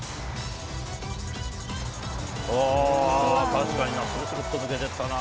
確かに、するするっと抜けてったな。